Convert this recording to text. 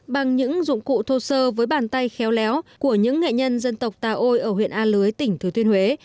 bằng những dụng cụ thô sơ với bàn tay khéo léo của những nghệ nhân dân tộc tà ôi ở huyện a lưới tỉnh thừa thiên huế